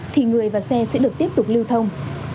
thì người và xe sẽ được tiếp tục lưu thông